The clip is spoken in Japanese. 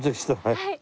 はい。